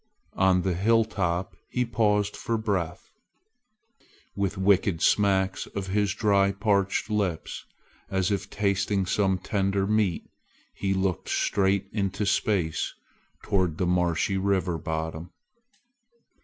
On the hilltop he paused for breath. With wicked smacks of his dry parched lips, as if tasting some tender meat, he looked straight into space toward the marshy river bottom.